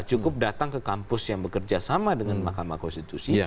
cukup datang ke kampus yang bekerja sama dengan mahkamah konstitusi